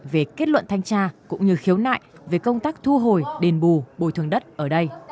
về kết luận thanh tra cũng như khiếu nại về công tác thu hồi đền bù bồi thường đất ở đây